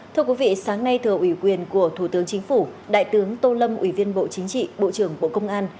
thưa quý vị sáng nay thừa ủy quyền của thủ tướng chính phủ đại tướng tô lâm ủy viên bộ chính trị bộ trưởng bộ công an